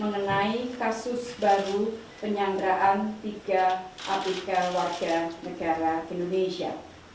mengenai kasus baru penyangraan tiga abiga warga negara indonesia